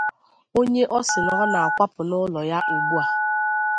onye ọ sị na ọ na-akwapụ n'ụlọ ya ugbu a.